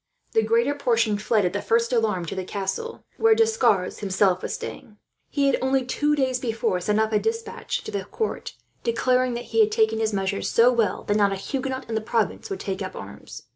The greater portion fled, at the first alarm, to the castle, where D'Escars himself was staying. He had, only two days before, sent off a despatch to the court declaring that he had taken his measures so well that not a Huguenot in the province would take up arms.